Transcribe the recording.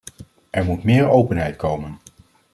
Er moet meer openheid komen.